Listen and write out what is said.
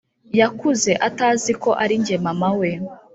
Yakuze ataziko arinjye mama we